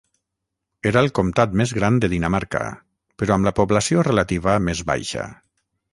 Era el comtat més gran de Dinamarca, però amb la població relativa més baixa.